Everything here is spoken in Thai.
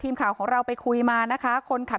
และผมก็ล็อกคอเลย